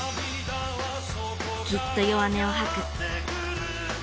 きっと弱音をはく。